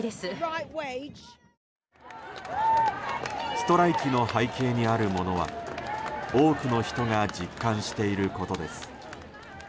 ストライキの背景にあるものは多くの人が実感していることです。